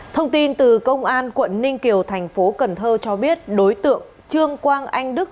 thông tin từ công an quận ninh kiều thành phố cần thơ cho biết đối tượng trương quang anh đức